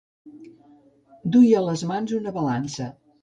Duia a les mans una balança.